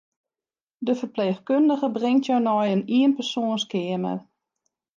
De ferpleechkundige bringt jo nei in ienpersoanskeamer.